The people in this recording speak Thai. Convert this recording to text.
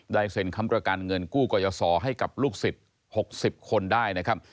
ได้เสียงคำตอบการเงินกู้ก่อยสอให้กับลูกศิษย์๖๐คนได้นะครับ